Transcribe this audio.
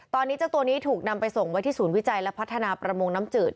ตอนนี้เจ้าตัวนี้ถูกนำไปส่งไว้ที่ศูนย์วิจัยและพัฒนาประมงน้ำจืด